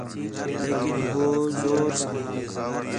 لیکن ہو زور ساں